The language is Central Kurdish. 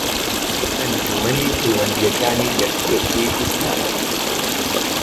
ئەنجومەنی پەیوەندییەکانی یەکگرتووی ئیسلامی